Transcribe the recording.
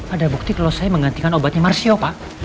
ada bukti kalau saya menggantikan obatnya marsio pak